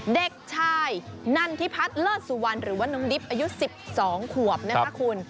เด็กชายนันทิพัฒน์เลิศสุวรรณหรือว่าน้องดิบอายุ๑๒ขวบนะคะคุณ